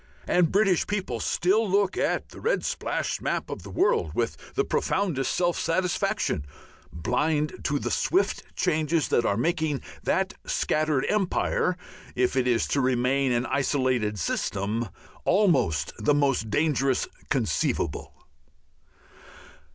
And British people still look at the red splashed map of the world with the profoundest self satisfaction, blind to the swift changes that are making that scattered empire if it is to remain an isolated system almost the most dangerous conceivable.